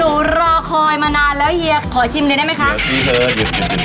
หนูรอคอยมานานแล้วเฮียขอชิมเลยได้ไหมคะ